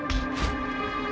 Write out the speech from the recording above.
apa yang dia maksud dengan